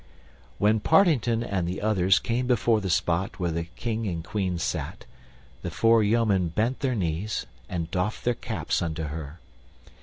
When Partington and the others came before the spot where the King and Queen sat, the four yeomen bent their knees and doffed their caps unto her.